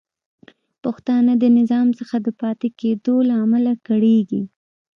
پښتانه د نظام څخه د باندې پاتې کیدو له امله کړیږي